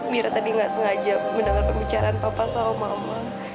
mira tadi nggak sengaja mendengar pembicaraan papa sama mama